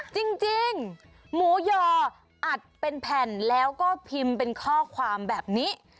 จริงหมูยออัดเป็นแผ่นแล้วก็พิมพ์เป็นข้อความแบบนี้